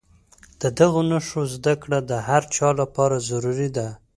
د دغو نښو زده کړه د هر چا لپاره ضروري ده.